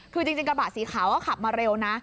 คือจริงกระบะสีขาวก็ขับมาเร็วนะ